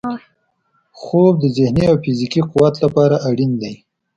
خوب د ذهني او فزیکي قوت لپاره اړین دی